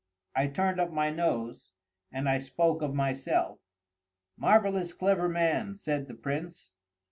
I turned up my nose, and I spoke of myself. "Marvellous clever man!" said the Prince.